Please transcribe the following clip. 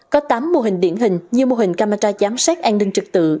có tám mô hình điển hình như mô hình camera giám sát an ninh trực tự